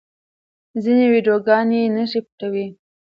ځینې ویډیوګانې نښې پټوي.